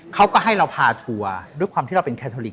เขาก็ให้เราพาทัวร์ด้วยความที่เราเป็นแคทอลิก